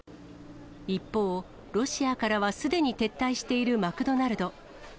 一方、ロシアからはすでに撤退しているマクドナルド。